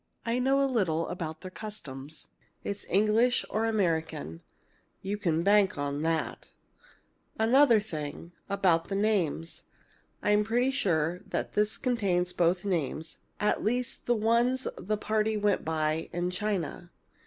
I know a little about their customs. It's English or American. You can bank on that! "Another thing about the names. I'm pretty sure that this contains both names at least the ones the parties went by in China.